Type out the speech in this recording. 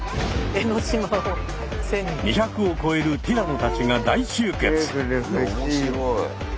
２００を超えるティラノたちが大集結。